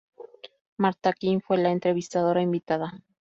Martha Quinn fue la entrevistadora invitada.